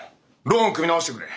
ローン組み直してくれ！